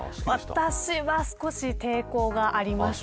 私は少し抵抗がありました。